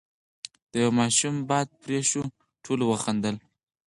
، د يوه ماشوم باد پرې شو، ټولو وخندل،